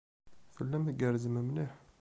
Tellam tgerrzem mliḥ.